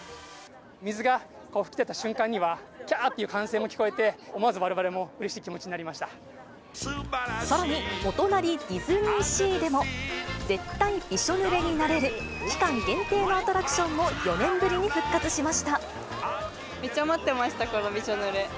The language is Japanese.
水が噴き出た瞬間には、きゃーという歓声も聞こえて、思わずわれわれもうれしい気持ちさらに、お隣、ディズニーシーでも、絶対びしょぬれになれる期間限定のアトラクションも４年ぶりに復めっちゃ待ってました、このびしょぬれ。